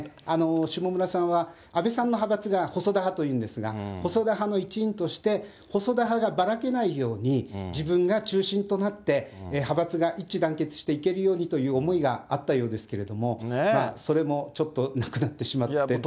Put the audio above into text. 下村さんは、安倍さんの派閥が細田派というんですが、細田派の一員として、細田派がばらけないように、自分が中心となって、派閥が一致団結していけるようにという思いがあったようですけども、それもちょっとなくなってしまってという。